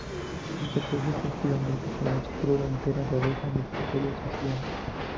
Se produce exclusivamente con leche cruda entera de oveja en el territorio siciliano.